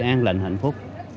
an lạnh hạnh phúc